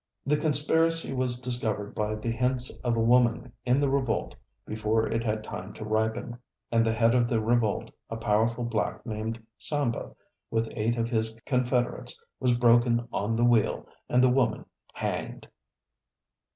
The conspiracy was discovered by the hints of a woman in the revolt before it had time to ripen, and the head of the revolt, a powerful black named Samba with eight of his confederates was broken on the wheel, and the woman hanged.